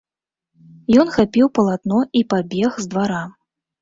Ён хапіў палатно і пабег з двара.